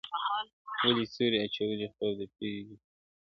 ولي سیوری اچولی خوب د پېغلي پر ورنونه-